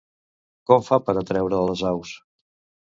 Com fa per atreure les aus?